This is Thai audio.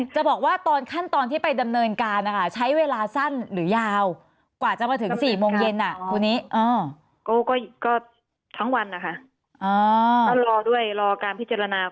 จะบอกว่าขั้นตอนที่ไปดำเนินการนะคะใช้เวลาสั้นหรือยาวกว่าจะมาถึง๔โมงเยนนี่